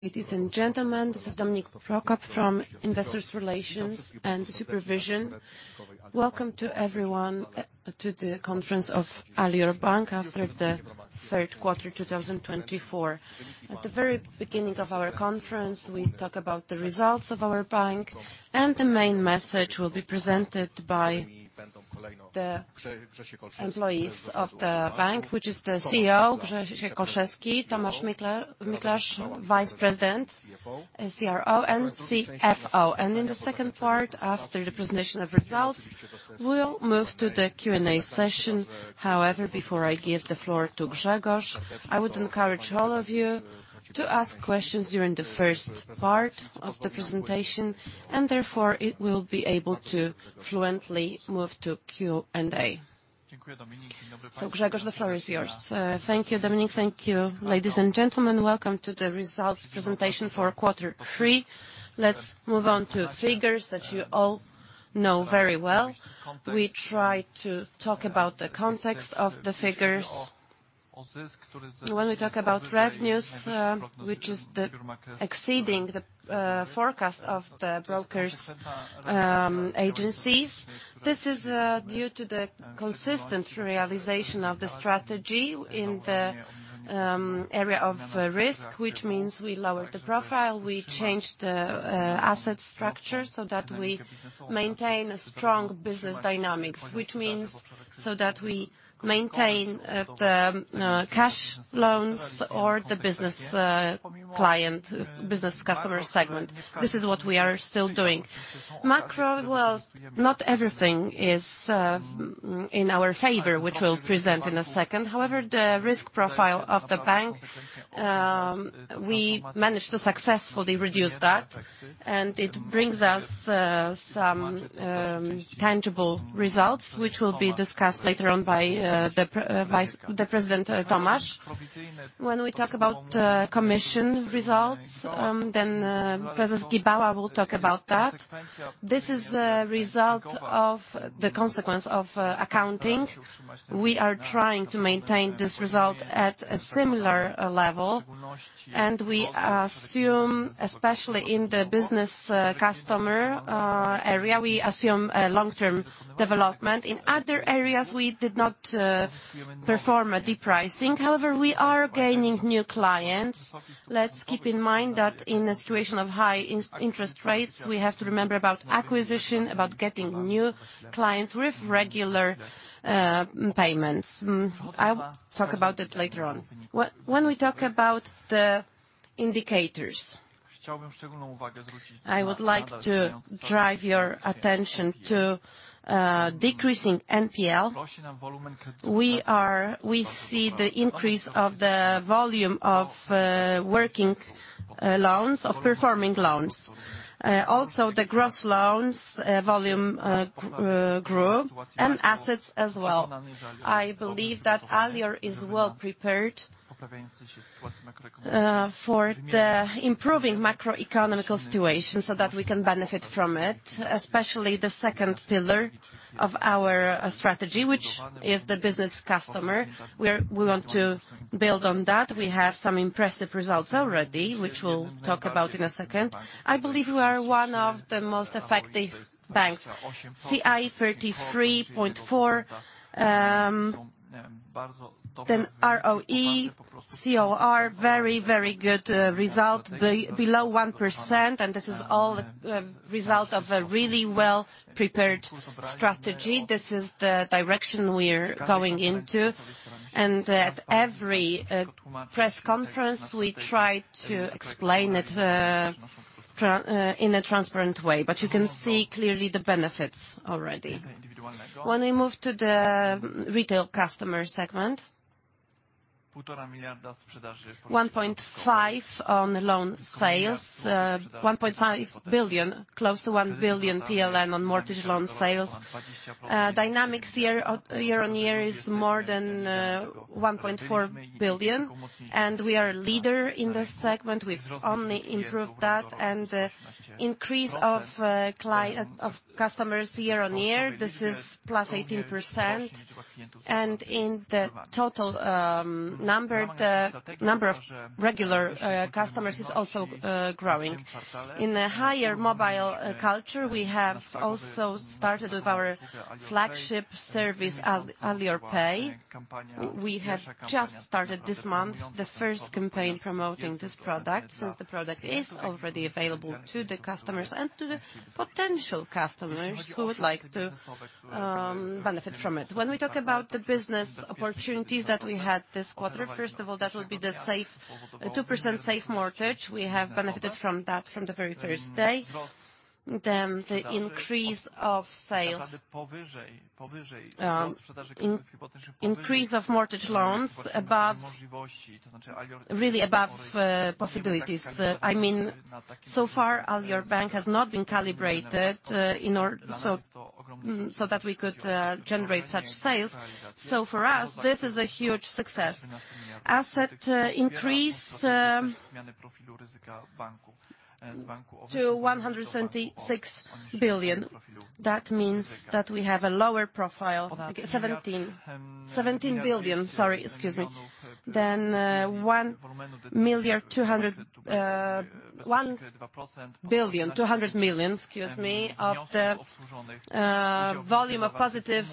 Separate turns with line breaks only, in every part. Ladies and gentlemen, this is Dominik Prokop from Investor Relations. Welcome to everyone to the conference of Alior Bank after the Q3, 2024. At the very beginning of our conference, we talk about the results of our bank, and the main message will be presented by the employees of the bank, which is the CEO, Grzegorz Olszewski, Tomasz Miklas, Vice President, CRO, and CFO. In the second part, after the presentation of results, we'll move to the Q&A session. However, before I give the floor to Grzegorz, I would encourage all of you to ask questions during the first part of the presentation, and therefore, it will be able to fluently move to Q&A. So Grzegorz, the floor is yours.
Thank you, Dominik. Thank you, ladies and gentlemen. Welcome to the results presentation for quarter three. Let's move on to figures that you all know very well. We try to talk about the context of the figures. When we talk about revenues, which is exceeding the forecast of the brokers, agencies, this is due to the consistent realization of the strategy in the area of risk, which means we lowered the profile, we changed the asset structure so that we maintain a strong business dynamics. Which means so that we maintain the cash loans or the business client, business customer segment. This is what we are still doing. Macro, well, not everything is in our favor, which we'll present in a second. However, the risk profile of the bank, we managed to successfully reduce that, and it brings us some tangible results, which will be discussed later on by the Vice President, Tomasz. When we talk about commission results, then President Gibała will talk about that. This is the result of the consequence of accounting. We are trying to maintain this result at a similar level, and we assume, especially in the business customer area, we assume a long-term development. In other areas, we did not perform a de-pricing. However, we are gaining new clients. Let's keep in mind that in a situation of high interest rates, we have to remember about acquisition, about getting new clients with regular payments. I'll talk about it later on. When we talk about the indicators, I would like to drive your attention to decreasing NPL. We see the increase of the volume of working loans of performing loans. Also, the gross loans volume grew and assets as well. I believe that Alior is well-prepared for the improving macroeconomic situation so that we can benefit from it, especially the second pillar of our strategy, which is the business customer, where we want to build on that. We have some impressive results already, which we'll talk about in a second. I believe we are one of the most effective banks. C/I 33.4, then ROE, COR, very, very good result below 1%, and this is all result of a really well-prepared strategy. This is the direction we're going into, and at every press conference, we try to explain it in a transparent way, but you can see clearly the benefits already. When we move to the retail customer segment, 1.5 on loan sales, 1.5 billion, close to 1 billion PLN on mortgage loan sales. Dynamics year-over-year is more than 1.4 billion, and we are a leader in this segment. We've only improved that and the increase of customers year-over-year, this is +18%. And in the total number, the number of regular customers is also growing. In a higher mobile culture, we have also started with our flagship service, Alior Pay. We have just started this month, the first campaign promoting this product, since the product is already available to the customers and to the potential customers who would like to benefit from it. When we talk about the business opportunities that we had this quarter, first of all, that would be the safe 2% safe mortgage. We have benefited from that from the very first day. Then the increase of sales, increase of mortgage loans above, really above, possibilities. I mean, so far, Alior Bank has not been calibrated, so that we could generate such sales. So for us, this is a huge success. Asset increase to 176 billion. That means that we have a lower profile, 17 billion, sorry, excuse me. Then, one billion, two hundred million, excuse me, of the volume of positive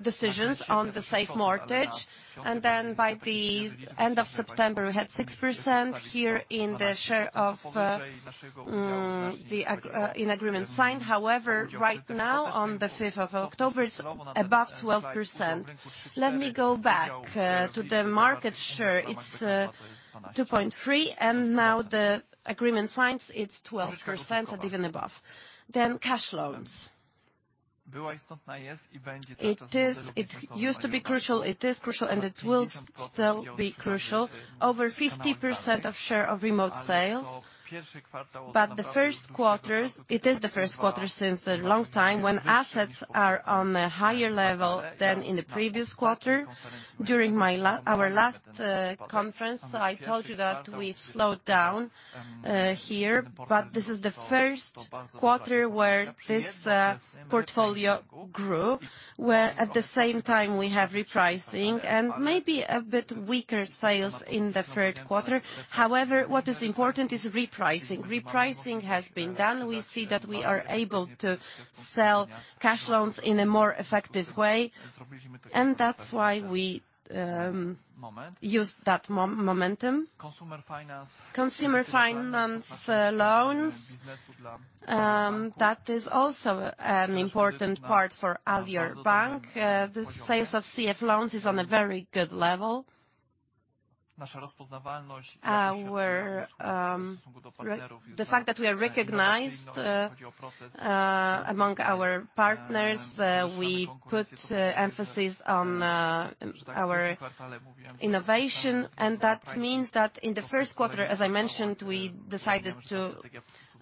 decisions on the safe mortgage. And then by the end of September, we had 6% here in the share of the agreement signed. However, right now, on the fifth of October, it's above 12%. Let me go back to the market share. It's 2.3, and now the agreement signed, it's 12% and even above. Then cash loans. It is, it used to be crucial, it is crucial, and it will still be crucial. Over 50% of share of remote sales, but the Q1s, it is the Q1 since a long time when assets are on a higher level than in the previous quarter. During our last conference, I told you that we've slowed down here, but this is the Q1 where this portfolio grew, where at the same time we have repricing and maybe a bit weaker sales in the Q3. However, what is important is repricing. Repricing has been done. We see that we are able to sell cash loans in a more effective way, and that's why we use that momentum. Consumer finance loans, that is also an important part for Alior Bank. The sales of CF loans is on a very good level. We're... The fact that we are recognized among our partners, we put emphasis on our innovation, and that means that in the Q1, as I mentioned, we decided to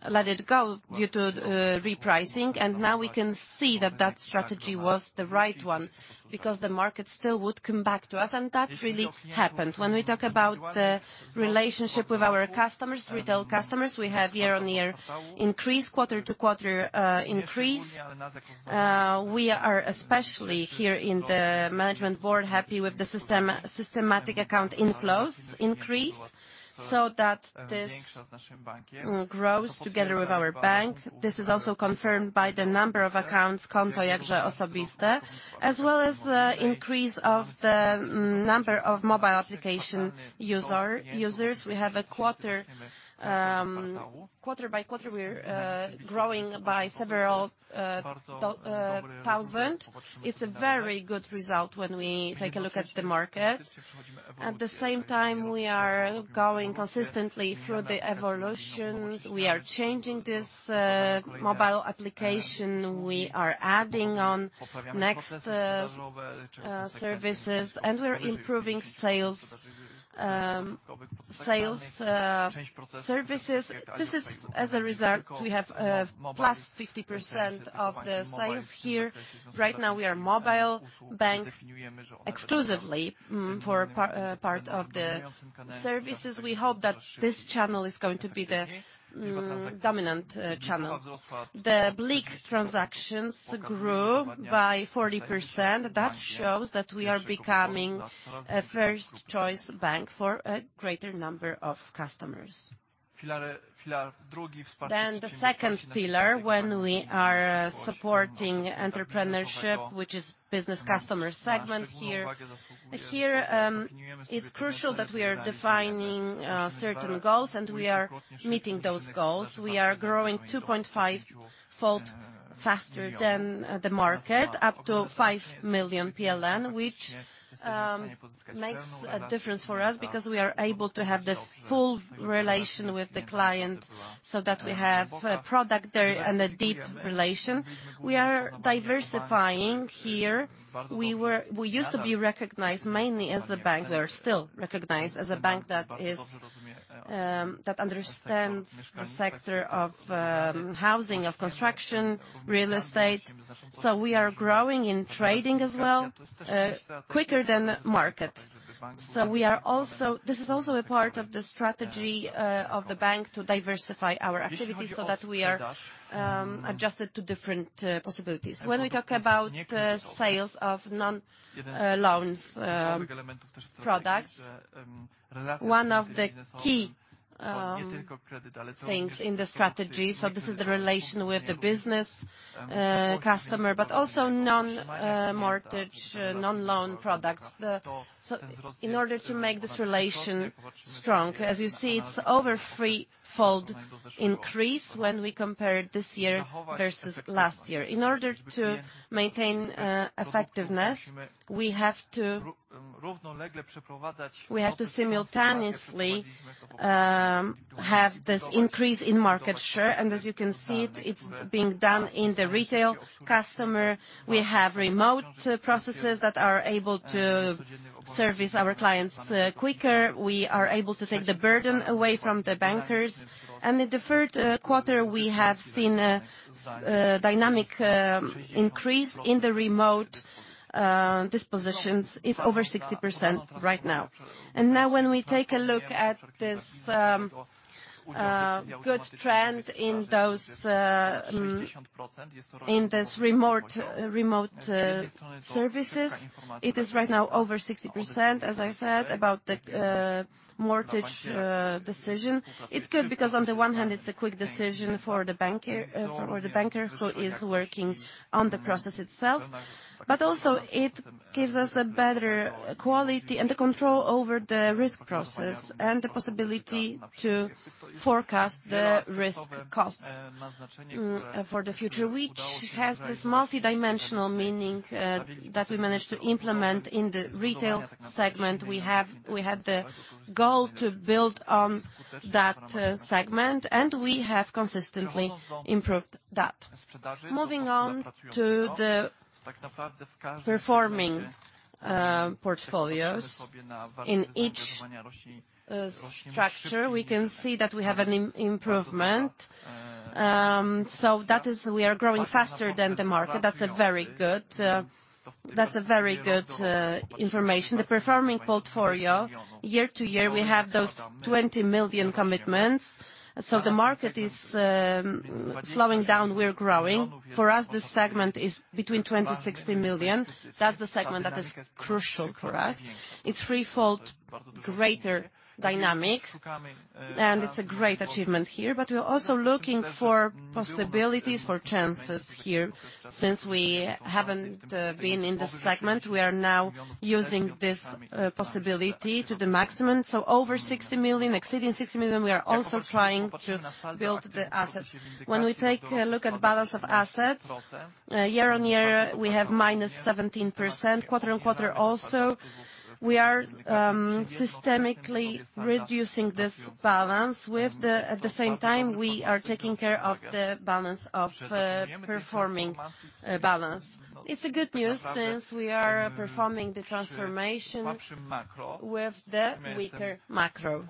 let it go due to repricing, and now we can see that that strategy was the right one, because the market still would come back to us, and that really happened. When we talk about the relationship with our customers, retail customers, we have year-on-year increase, quarter-to-quarter increase. We are, especially here in the management board, happy with the system, systematic account inflows increase, so that this grows together with our bank. This is also confirmed by the number of accounts, Konto Jakże Osobiste, as well as the increase of the number of mobile application users. We have a quarter by quarter, we're growing by several thousand. It's a very good result when we take a look at the market. At the same time, we are going consistently through the evolution. We are changing this mobile application. We are adding on next services, and we're improving sales services. This is as a result, we have +50% of the sales here. Right now, we are mobile bank exclusively for part of the services. We hope that this channel is going to be the dominant channel. The BLIK transactions grew by 40%. That shows that we are becoming a first choice bank for a greater number of customers. Then the second pillar, when we are supporting entrepreneurship, which is business customer segment here. Here, it's crucial that we are defining certain goals, and we are meeting those goals. We are growing 2.5-fold faster than the market, up to 5 million PLN, which makes a difference for us because we are able to have the full relation with the client so that we have a product there and a deep relation. We are diversifying here. We used to be recognized mainly as a bank. We are still recognized as a bank that is that understands the sector of housing, of construction, real estate. So we are growing in trading as well quicker than market. So we are also. This is also a part of the strategy of the bank to diversify our activities so that we are adjusted to different possibilities.
When we talk about sales of non-loan products, one of the key things in the strategy, so this is the relation with the business customer, but also non-mortgage, non-loan products. So in order to make this relation strong, as you see, it's over three-fold increase when we compare this year versus last year. In order to maintain effectiveness, we have to, we have to simultaneously have this increase in market share, and as you can see, it it's being done in the retail customer. We have remote processes that are able to service our clients quicker. We are able to take the burden away from the bankers. And in the Q3, we have seen a dynamic increase in the remote-...
dispositions. It's over 60% right now. And now, when we take a look at this good trend in this remote services, it is right now over 60%, as I said, about the mortgage decision. It's good, because on the one hand, it's a quick decision for the banker who is working on the process itself. But also it gives us a better quality and the control over the risk process, and the possibility to forecast the risk costs for the future, which has this multidimensional meaning that we managed to implement in the retail segment. We had the goal to build on that segment, and we have consistently improved that. Moving on to the performing portfolios. In each structure, we can see that we have an improvement. So that is, we are growing faster than the market. That's a very good, that's a very good information. The performing portfolio, year-over-year, we have those 20 million commitments. So the market is slowing down, we're growing. For us, this segment is between 20 million and 60 million. That's the segment that is crucial for us. It's threefold greater dynamic, and it's a great achievement here. But we're also looking for possibilities for chances here. Since we haven't been in this segment, we are now using this possibility to the maximum. So over 60 million, exceeding 60 million, we are also trying to build the assets. When we take a look at balance of assets, year-over-year, we have -17%. Quarter-over-quarter also, we are systematically reducing this balance. With the at the same time, we are taking care of the balance of performing balance. It's a good news since we are performing the transformation with the weaker macro.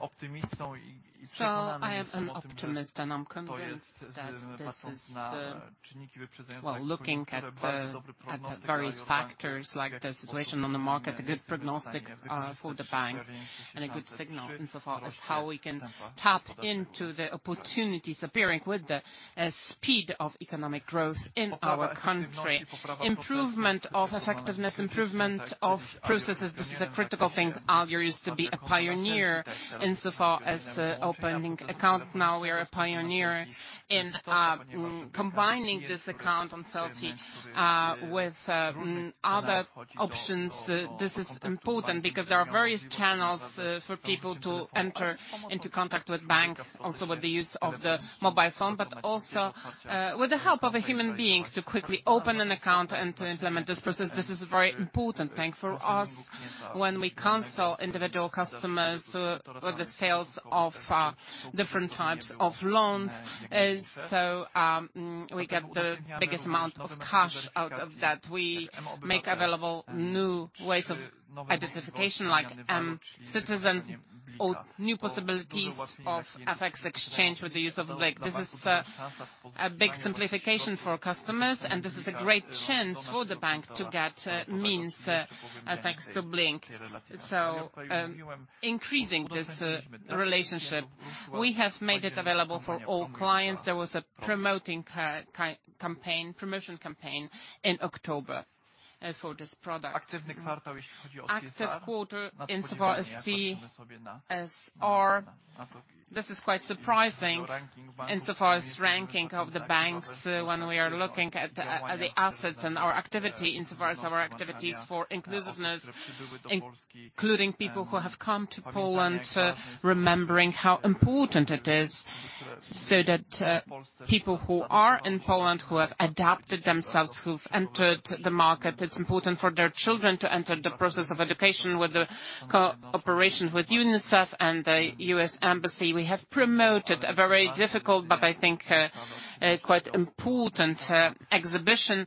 So I am an optimist, and I'm convinced that this is. Well, looking at the various factors like the situation on the market, a good prognostic for the bank, and a good signal, insofar as how we can tap into the opportunities appearing with the speed of economic growth in our country. Improvement of effectiveness, improvement of processes, this is a critical thing. Alior used to be a pioneer insofar as opening accounts. Now, we are a pioneer in combining this account on selfie with other options. This is important because there are various channels for people to enter into contact with banks, also with the use of the mobile phone, but also with the help of a human being, to quickly open an account and to implement this process. This is a very important thing for us when we counsel individual customers with the sales of different types of loans. So, we get the biggest amount of cash out of that. We make available new ways of identification, like citizen or new possibilities of FX exchange with the use of BLIK. This is a big simplification for customers, and this is a great chance for the bank to get means FX to BLIK. So, increasing this relationship, we have made it available for all clients. There was a promotion campaign in October for this product. Active quarter, insofar as CSR. This is quite surprising, insofar as ranking of the banks, when we are looking at, at the assets and our activity, insofar as our activities for inclusiveness, including people who have come to Poland, remembering how important it is, so that, people who are in Poland, who have adapted themselves, who've entered the market, it's important for their children to enter the process of education with the cooperation with UNICEF and the US Embassy. We have promoted a very difficult, but I think, a quite important, exhibition,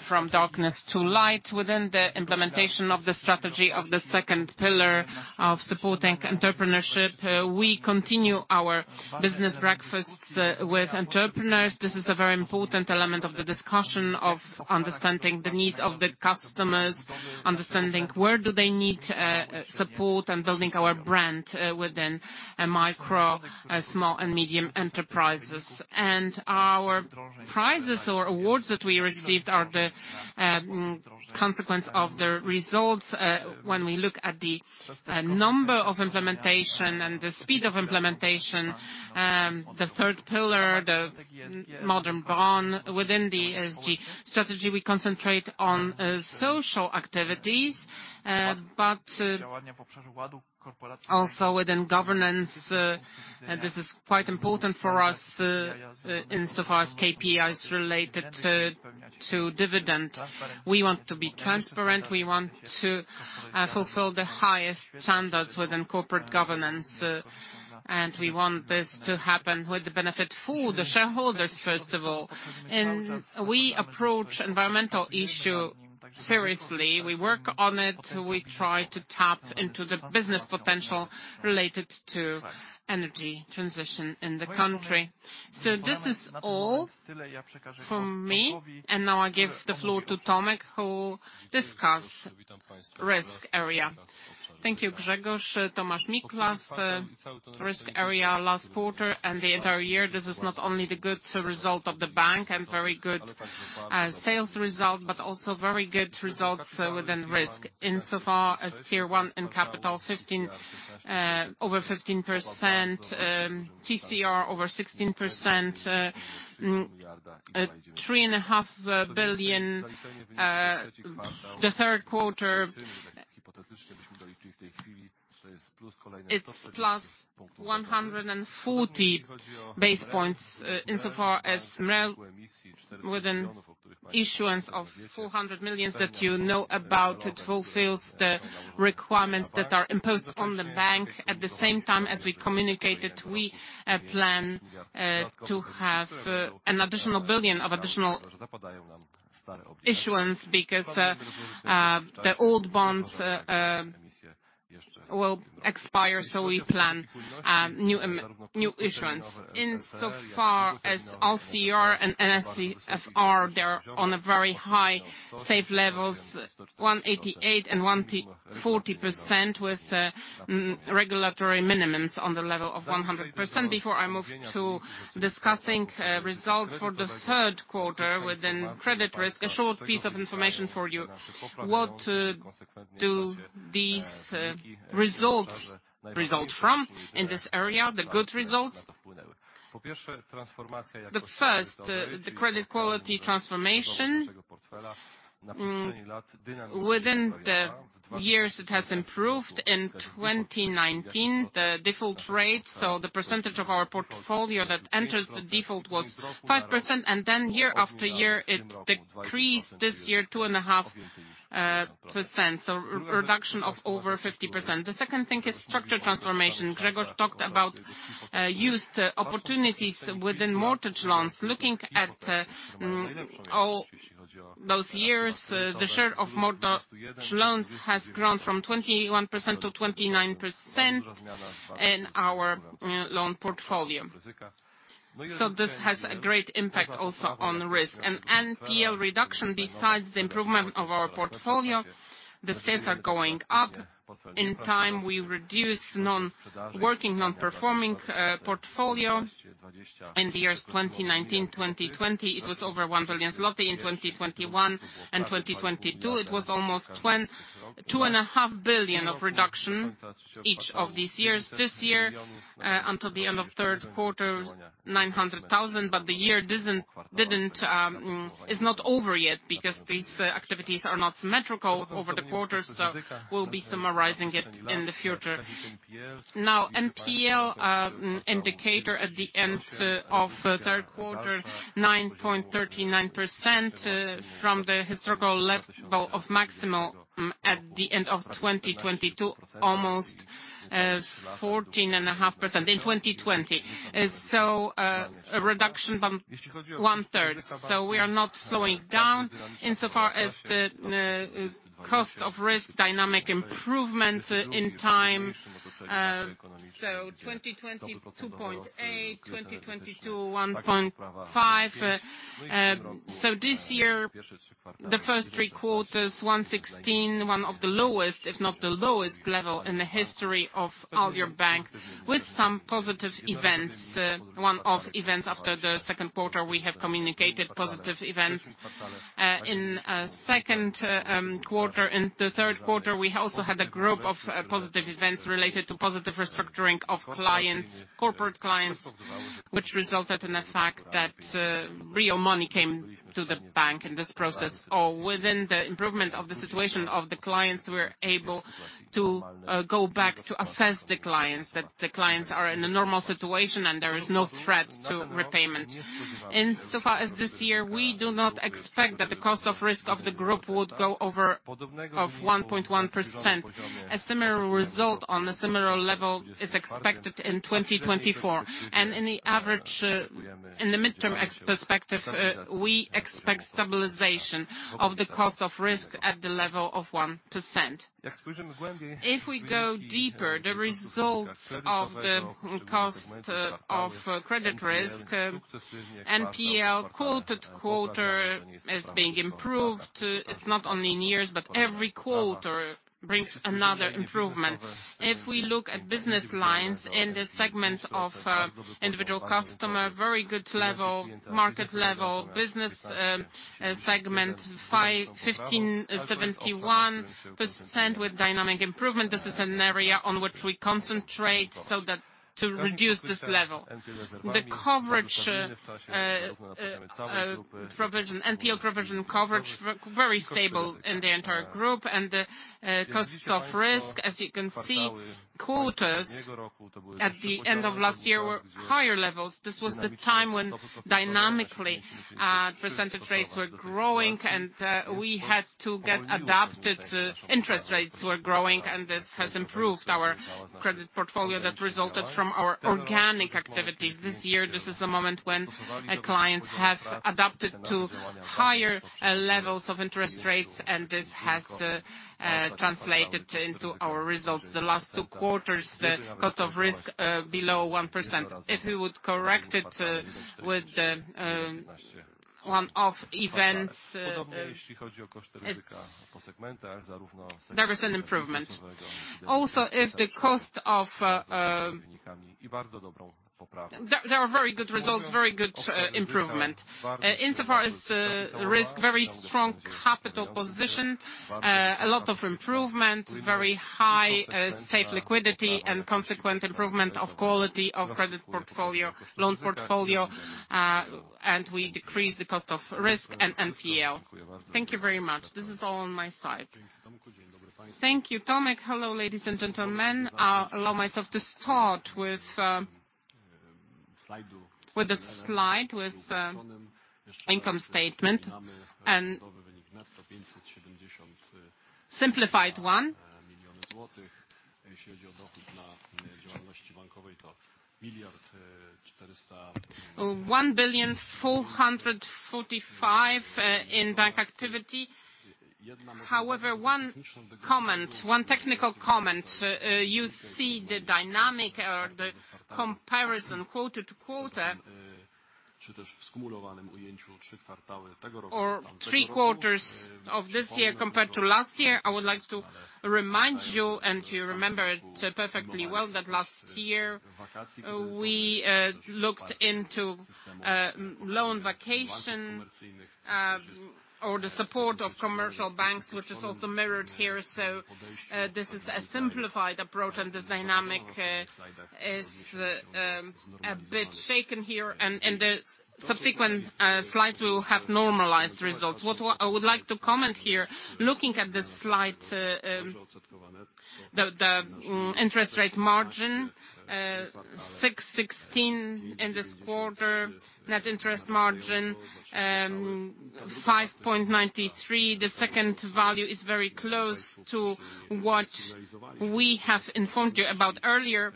From Darkness to Light, within the implementation of the strategy of the second pillar of supporting entrepreneurship. We continue our business breakfasts with entrepreneurs. This is a very important element of the discussion of understanding the needs of the customers, understanding where do they need support, and building our brand within a micro, small and medium enterprises. Our prizes or awards that we received are the consequence of the results when we look at the number of implementation and the speed of implementation. The third pillar, the modern bond within the ESG strategy, we concentrate on social activities, but also within governance, and this is quite important for us insofar as KPIs related to dividend. We want to be transparent, we want to fulfill the highest standards within corporate governance, and we want this to happen with the benefit for the shareholders, first of all. We approach environmental issue seriously. We work on it. We try to tap into the business potential related to energy transition in the country. So this is all from me, and now I give the floor to Tomek, who discuss risk area.
Thank you, Grzegorz. Tomasz Miklas, the risk area last quarter and the entire year, this is not only the good result of the bank and very good, sales result, but also very good results within risk. Insofar as Tier 1 capital fifteen, over 15%, TCR over 16%, three and a half billion, the Q3, it's +140 basis points. Insofar as MREL, within issuance of 400 million that you know about, it fulfills the requirements that are imposed on the bank. At the same time, as we communicated, we plan to have an additional 1 billion of additional issuance because the old bonds will expire, so we plan new issuance. Insofar as LCR and NSFR, they're on a very high, safe levels, 188% and 140%, with regulatory minimums on the level of 100%. Before I move to discussing results for the Q3 within credit risk, a short piece of information for you. What do these results result from in this area, the good results? The first, the credit quality transformation within the years, it has improved. In 2019, the default rate, so the percentage of our portfolio that enters the default, was 5%, and then year after year, it decreased. This year, 2.5%, so reduction of over 50%. The second thing is structure transformation. Grzegorz talked about used opportunities within mortgage loans. Looking at all those years, the share of mortgage loans has grown from 21% -29% in our loan portfolio. So this has a great impact also on risk. And NPL reduction, besides the improvement of our portfolio, the sales are going up. In time, we reduce non-working, non-performing portfolio. In the years 2019, 2020, it was over 1 billion zloty. In 2021 and 2022, it was almost 2.5 billion of reduction each of these years. This year, until the end of Q3, 900,000, but the year doesn't, didn't, is not over yet, because these activities are not symmetrical over the quarter, so we'll be summarizing it in the future. Now, NPL indicator at the end of the Q3, 9.39%, from the historical level of maximal at the end of 2022, almost 14.5% in 2020. So, a reduction by one-third. So we are not slowing down insofar as the cost of risk dynamic improvement in time. So 2020, 2.8; 2022, 1.5. So this year, the first three quarters, 1.16, one of the lowest, if not the lowest level in the history of Alior Bank, with some positive events, one-off events. After the Q2, we have communicated positive events. In the Q2... In the Q3, we also had a group of positive events related to positive restructuring of clients, corporate clients, which resulted in the fact that real money came to the bank in this process. Or within the improvement of the situation of the clients, we're able to go back to assess the clients, that the clients are in a normal situation and there is no threat to repayment. Insofar as this year, we do not expect that the cost of risk of the group would go over 1.1%. A similar result on a similar level is expected in 2024, and in the average, in the midterm perspective, we expect stabilization of the cost of risk at the level of 1%. If we go deeper, the results of the cost of credit risk, NPL quarter to quarter is being improved. It's not only in years, but every quarter brings another improvement. If we look at business lines in the segment of individual customer, very good level, market level, business segment, 5.1571% with dynamic improvement. This is an area on which we concentrate so that to reduce this level. The coverage provision, NPL provision coverage very stable in the entire group, and the costs of risk, as you can see, quarters at the end of last year were higher levels. This was the time when dynamically percentage rates were growing, and we had to get adapted to interest rates were growing, and this has improved our credit portfolio that resulted from our organic activities. This year, this is the moment when our clients have adapted to higher levels of interest rates, and this has translated into our results. The last two quarters, the cost of risk below 1%. If we would correct it with the ... one-off events, it's, there is an improvement. Also, there are very good results, very good improvement. Insofar as risk, very strong capital position, a lot of improvement, very high safe liquidity and consequent improvement of quality of credit portfolio, loan portfolio, and we decrease the cost of risk and NPL. Thank you very much. This is all on my side.
Thank you, Tomek. Hello, ladies and gentlemen. I'll allow myself to start with a slide with income statement and simplified one. Zloty. 1.445 billion in bank activity. However, one comment, one technical comment. You see the dynamic or the comparison quarter-over-quarter, or three quarters of this year compared to last year. I would like to remind you, and you remember it perfectly well, that last year, we looked into loan vacation or the support of commercial banks, which is also mirrored here. So, this is a simplified approach, and this dynamic is a bit shaken here. The subsequent slides will have normalized results. What I would like to comment here, looking at this slide, the interest rate margin, 616 in this quarter. Net interest margin, 5.93. The second value is very close to what we have informed you about earlier.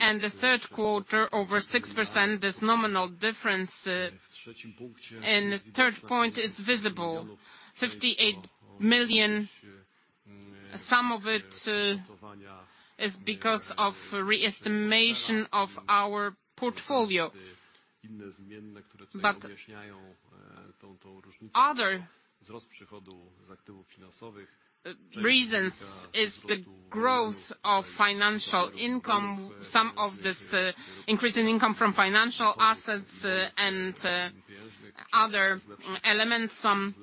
And the Q3, over 6%, this nominal difference, and the third point is visible, 58 million. Some of it is because of re-estimation of our portfolio. But other reasons is the growth of financial income, some of this increase in income from financial assets, and other elements, some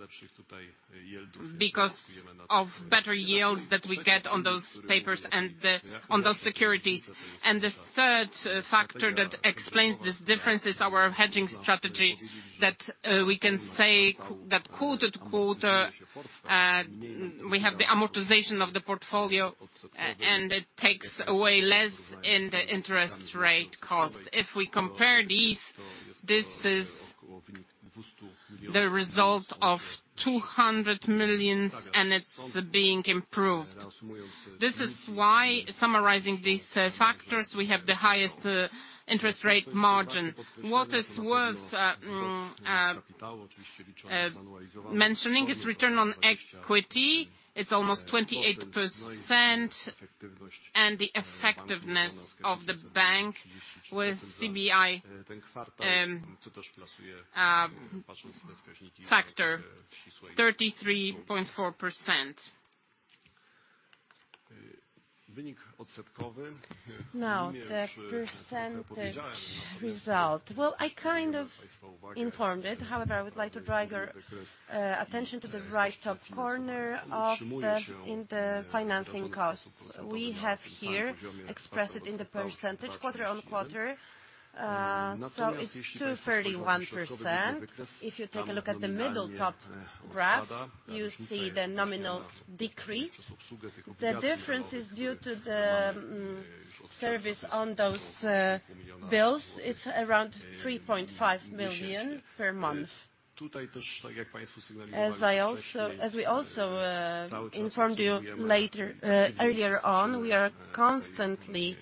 because of better yields that we get on those papers and on those securities. The third factor that explains this difference is our hedging strategy, that we can say quarter to quarter, we have the amortization of the portfolio, and it takes away less in the interest rate cost. If we compare these, this is the result of 200 million, and it's being improved. This is why, summarizing these factors, we have the highest interest rate margin. What is worth mentioning is return on equity. It's almost 28%, and the effectiveness of the bank with C/I factor, 33.4%.
Now, the percentage result. Well, I kind of informed it, however, I would like to draw your attention to the right top corner in the financing cost. We have here expressed it in the percentage, quarter-on-quarter, so it's 231%. If you take a look at the middle top graph, you see the nominal decrease. The difference is due to the service on those bills. It's around 3.5 million per month. As we also informed you later, earlier on, we are constantly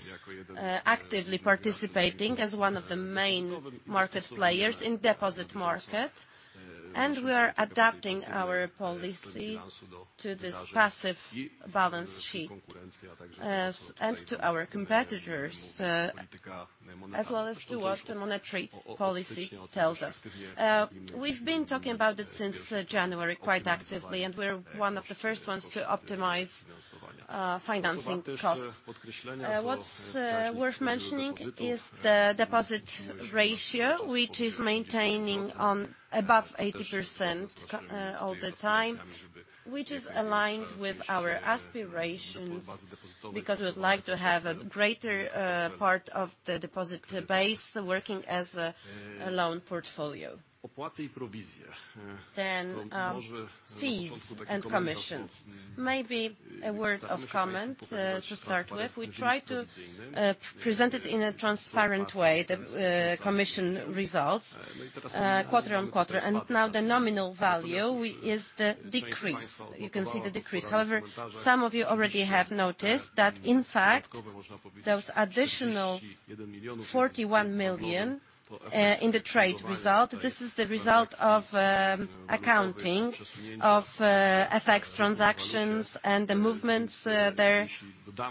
actively participating as one of the main market players in deposit market, and we are adapting our policy to this passive balance sheet, as and to our competitors, as well as to what the monetary policy tells us. We've been talking about this since January, quite actively, and we're one of the first ones to optimize financing costs. What's worth mentioning is the deposit ratio, which is maintaining on above 80% all the time, which is aligned with our aspirations, because we would like to have a greater part of the deposit base working as a loan portfolio. Then, fees and commissions. Maybe a word of comment to start with. We try to present it in a transparent way, the commission results quarter-over-quarter. And now, the nominal value is the decrease. You can see the decrease. However, some of you already have noticed that, in fact, those additional 41 million in the trade result, this is the result of accounting of FX transactions and the movements there.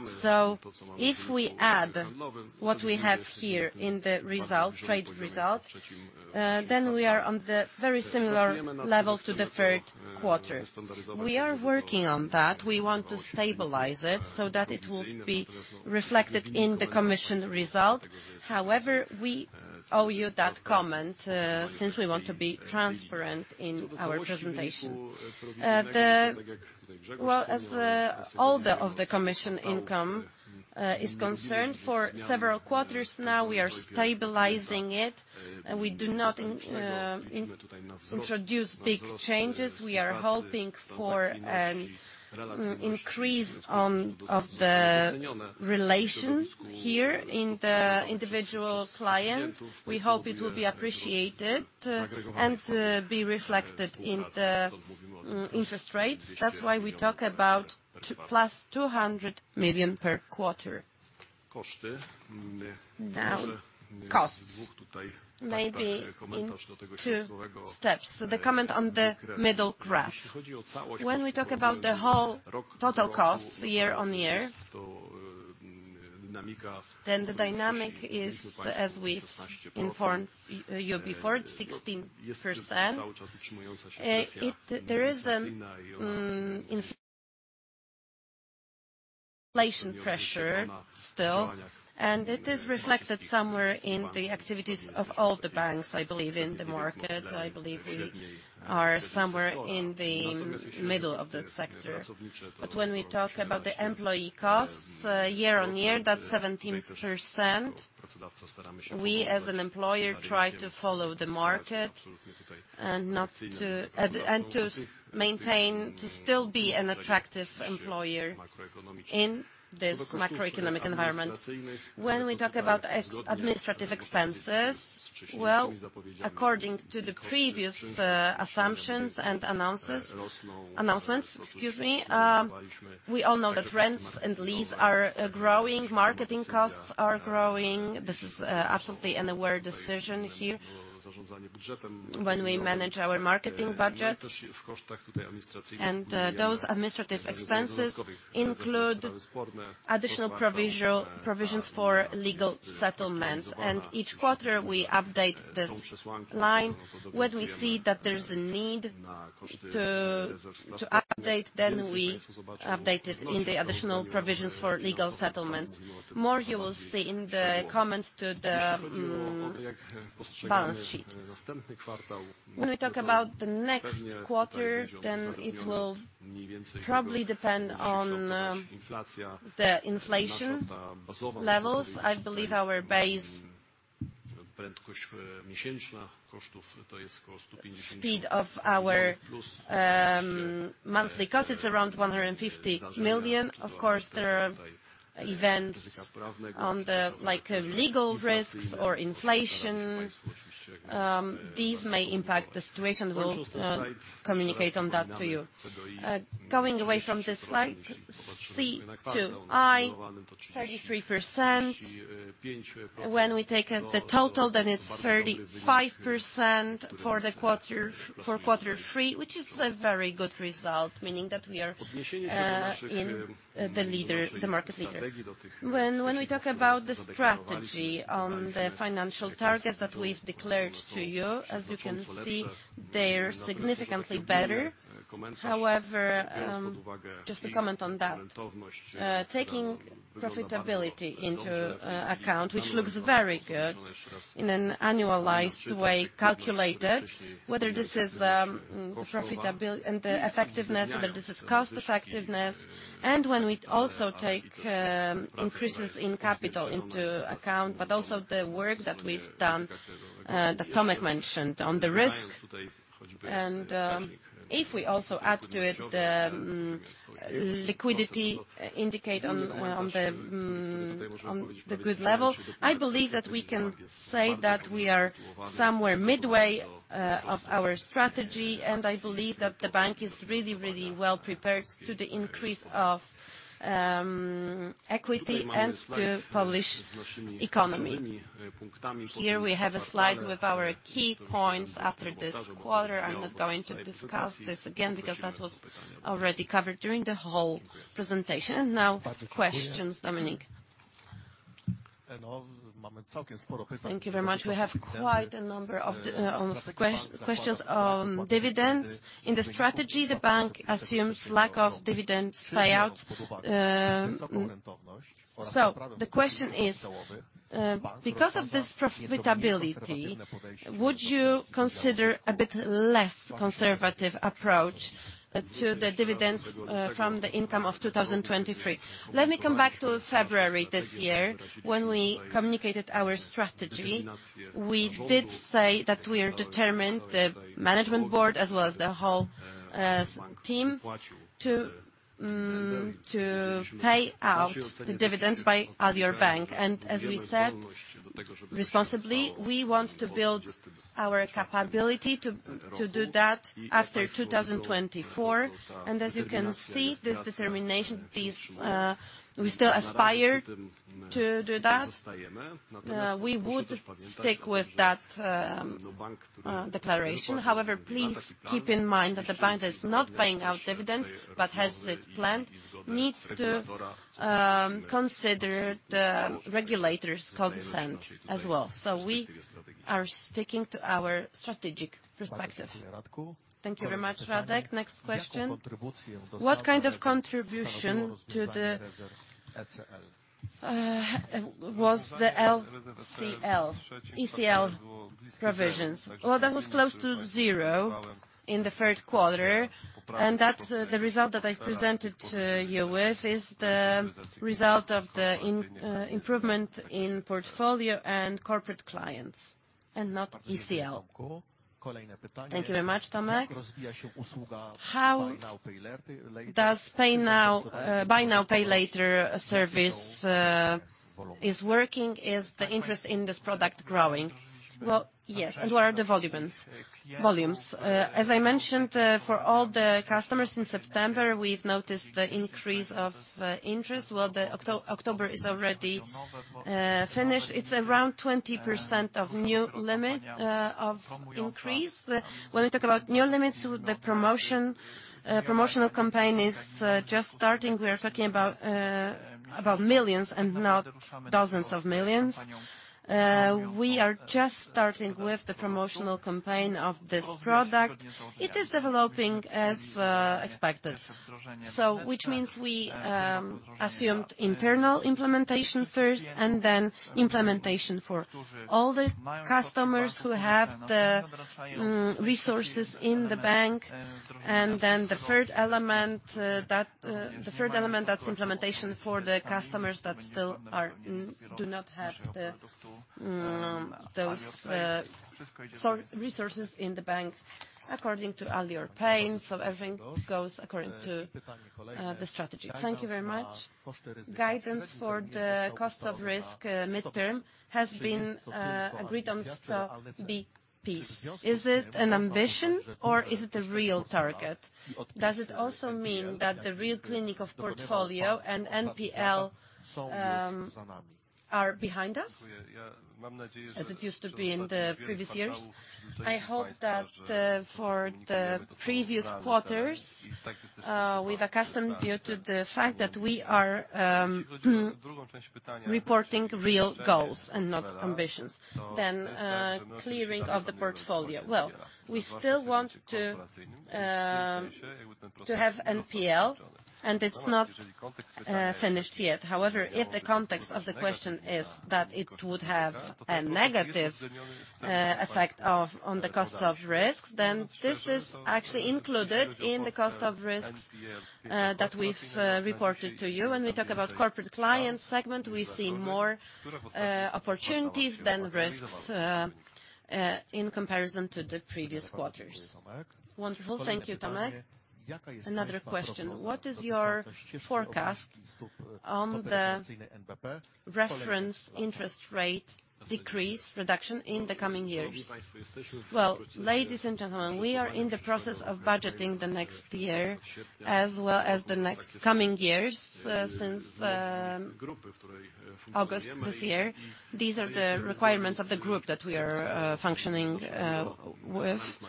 So if we add what we have here in the result, trade result, then we are on the very similar level to the Q3. We are working on that. We want to stabilize it so that it will be reflected in the commission result. However, we owe you that comment, since we want to be transparent in our presentations. Well, as all the of the commission income is concerned, for several quarters now, we are stabilizing it, and we do not introduce big changes. We are hoping for an increase on of the relation here in the individual client. We hope it will be appreciated, and be reflected in the interest rates. That's why we talk about plus 200 million per quarter. Now, costs. Maybe in two steps, the comment on the middle graph. When we talk about the whole total costs year on year, then the dynamic is, as we informed you before, 16%. There is an inflation pressure still, and it is reflected somewhere in the activities of all the banks, I believe, in the market. I believe we are somewhere in the middle of this sector. But when we talk about the employee costs, year on year, that's 17%. We, as an employer, try to follow the market and not to... and to maintain, to still be an attractive employer in this macroeconomic environment. When we talk about administrative expenses, well, according to the previous assumptions and announcements, excuse me, we all know that rents and leases are growing, marketing costs are growing. This is absolutely an aware decision here when we manage our marketing budget. Those administrative expenses include additional provisions for legal settlements, and each quarter we update this line. When we see that there's a need to update, then we update it in the additional provisions for legal settlements. More you will see in the comments to the balance sheet. When we talk about the next quarter, then it will probably depend on the inflation levels. I believe our base speed of our monthly cost is around 150 million. Of course, there are events on the, like, legal risks or inflation. These may impact the situation. We'll communicate on that to you. Going away from this slide, C/I, 33%. When we take up the total, then it's 35% for the quarter, for quarter three, which is a very good result, meaning that we are in the leader, the market leader. When we talk about the strategy on the financial targets that we've declared to you, as you can see, they're significantly better. However, just to comment on that, taking profitability into account, which looks very good in an annualized way, calculated whether this is the profitability and the effectiveness, whether this is cost effectiveness, and when we also take increases in capital into account, but also the work that we've done, that Tomek mentioned on the risk. If we also add to it the liquidity indicators on the good level, I believe that we can say that we are somewhere midway of our strategy, and I believe that the bank is really, really well-prepared to the increase of equity and to Polish economy. Here we have a slide with our key points after this quarter. I'm not going to discuss this again, because that was already covered during the whole presentation. And now questions, Dominik. Thank you very much. We have quite a number of the questions on dividends. In the strategy, the bank assumes lack of dividends payouts. So the question is, because of this profitability, would you consider a bit less conservative approach to the dividends from the income of 2023? Let me come back to February this year, when we communicated our strategy. We did say that we are determined, the management board, as well as the whole senior team, to pay out the dividends by Alior Bank. And as we said, responsibly, we want to build our capability to do that after 2024. And as you can see, this determination, this we still aspire to do that. We would stick with that declaration. However, please keep in mind that the bank is not paying out dividends, but has the plan needs to consider the regulators' consent as well. So we are sticking to our strategic perspective. Thank you very much, Radek. Next question: What kind of contribution to the ECL provisions? Well, that was close to zero in the Q3, and that's the result that I've presented you with, is the result of the improvement in portfolio and corporate clients, and not ECL. Thank you very much, Tomek. Does Pay Now, Buy Now, Pay Later service is working? Is the interest in this product growing? Well, yes. And what are the volumes?
As I mentioned, for all the customers in September, we've noticed the increase of interest. Well, the October is already finished. It's around 20% of new limit of increase. When we talk about new limits, the promotional campaign is just starting. We are talking about millions and not dozens of millions. We are just starting with the promotional campaign of this product. It is developing as expected. So which means we assumed internal implementation first, and then implementation for all the customers who have the resources in the bank. And then the third element, that's implementation for the customers that still do not have those resources in the bank, according to earlier planning, so everything goes according to the strategy. Thank you very much. Guidance for the cost of risk midterm has been agreed on so 50 BPs. Is it an ambition, or is it a real target? Does it also mean that the real cleaning of portfolio and NPL are behind us, as it used to be in the previous years?
I hope that, for the previous quarters, we've accustomed you to the fact that we are, reporting real goals and not ambitions, then, clearing of the portfolio. Well, we still want to, to have NPL, and it's not, finished yet.
However, if the context of the question is that it would have a negative, effect of, on the cost of risks, then this is actually included in the cost of risks, that we've, reported to you. When we talk about corporate client segment, we see more, opportunities than risks, in comparison to the previous quarters. Wonderful.
Thank you, Tomek. Another question: What is your forecast on the reference interest rate decrease, reduction in the coming years?
Well, ladies and gentlemen, we are in the process of budgeting the next year as well as the next coming years since August this year. These are the requirements of the group that we are functioning with.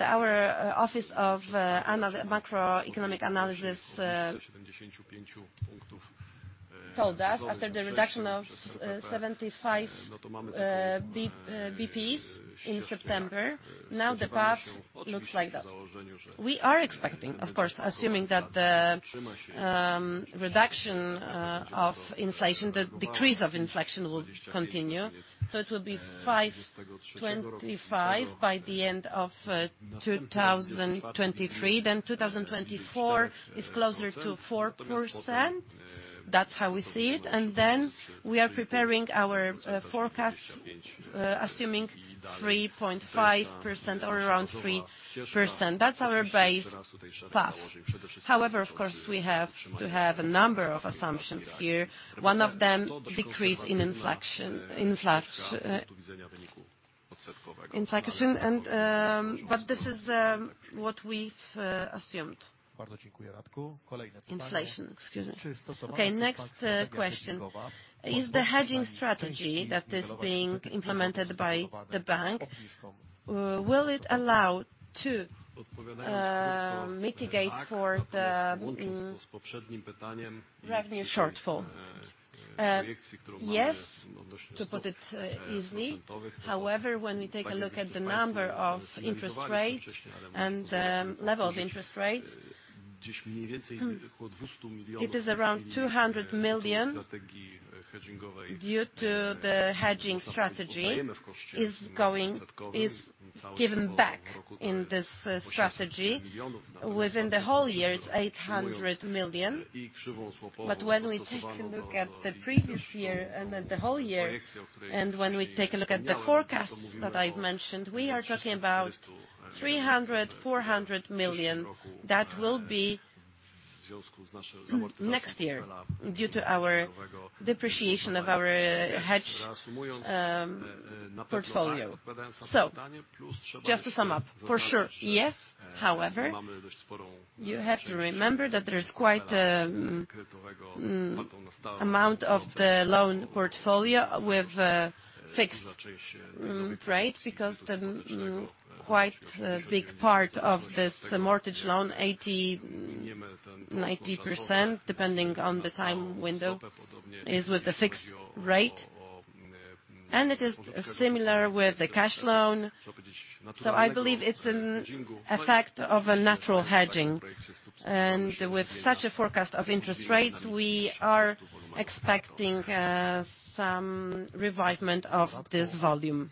Our office of macroeconomic analysis told us after the reduction of 75 BPs in September; now the path looks like that. We are expecting, of course, assuming that the reduction of inflation, the decrease of inflation will continue, so it will be 5.25% by the end of 2023. Then 2024 is closer to 4%. That's how we see it, and then we are preparing our forecast assuming 3.5% or around 3%. That's our base path. However, of course, we have to have a number of assumptions here. One of them, decrease in inflation, in inflation, inflation, and, but this is, what we've assumed. Thank you. Inflation, excuse me.
Okay, next, question: Is the hedging strategy that is being implemented by the bank, will it allow to, mitigate for the, revenue shortfall? Yes, to put it, easily. However, when we take a look at the number of interest rates and the level of interest rates, it is around 200 million due to the hedging strategy is going, is given back in this, strategy. Within the whole year, it's 800 million. But when we take a look at the previous year and then the whole year, and when we take a look at the forecasts that I've mentioned, we are talking about 300 million-400 million that will be-... next year, due to our depreciation of our hedge portfolio. So just to sum up, for sure, yes. However, you have to remember that there's quite a amount of the loan portfolio with fixed rates, because the quite a big part of this mortgage loan, 80%-90%, depending on the time window, is with a fixed rate, and it is similar with the cash loan. So I believe it's an effect of a natural hedging. And with such a forecast of interest rates, we are expecting some revival of this volume.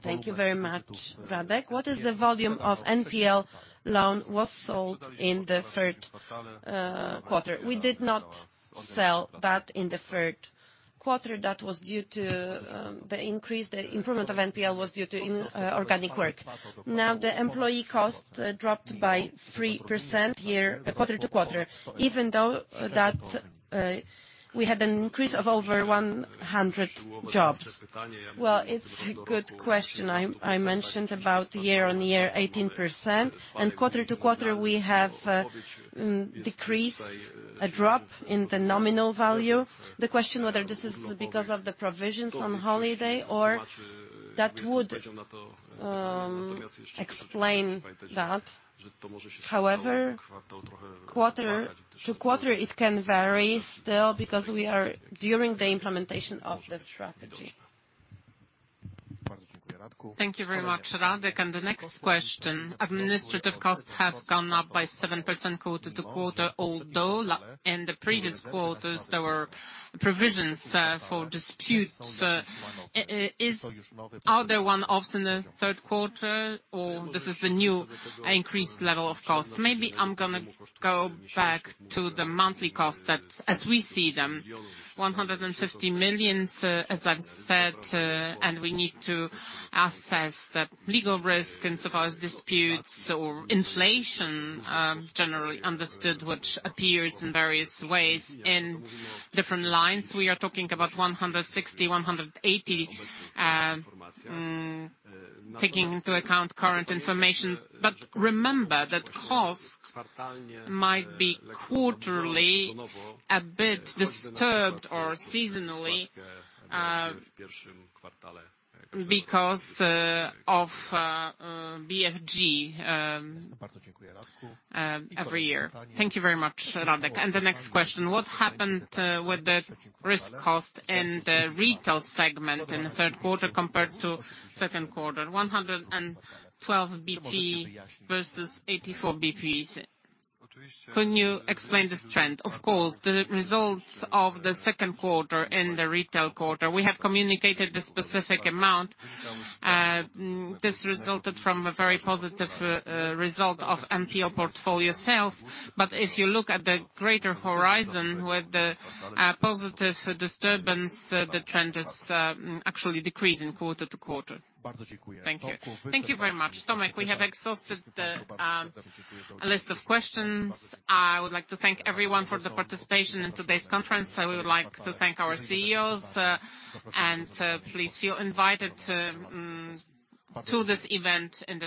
Thank you very much, Radek. What is the volume of NPL loan was sold in the Q3? We did not sell that in the Q3. That was due to the increase. The improvement of NPL was due to in organic work. Now, the employee cost dropped by 3% year-on-year, quarter-to-quarter, even though that, we had an increase of over 100 jobs. Well, it's a good question. I mentioned about year-on-year 18%, and quarter-to-quarter, we have decreased a drop in the nominal value. The question whether this is because of the provisions on holiday or that would explain that. However, quarter-to-quarter, it can vary still because we are during the implementation of the strategy. Thank you very much, Radek. And the next question: administrative costs have gone up by 7% quarter-to-quarter, although in the previous quarters, there were provisions for disputes. Are there one-offs in the Q3, or this is a new increased level of costs? Maybe I'm gonna go back to the monthly cost that as we see them, 150 million, as I've said, and we need to assess the legal risk and suppose disputes or inflation, generally understood, which appears in various ways in different lines. We are talking about 160 million-180 million, taking into account current information. But remember that costs might be quarterly a bit disturbed or seasonally, because of BFG every year. Thank you very much, Radek. And the next question: what happened with the risk cost in the retail segment in the Q3 compared to Q2? 112 BPs versus 84 BPs. Could you explain this trend? Of course, the results of the Q2 in the retail quarter, we have communicated the specific amount.
This resulted from a very positive result of NPL portfolio sales. But if you look at the greater horizon with the positive disturbance, the trend is actually decreasing quarter to quarter. Thank you. Thank you very much. Tomek, we have exhausted the list of questions. I would like to thank everyone for the participation in today's conference. I would like to thank our CEOs, and please feel invited to this event in the future.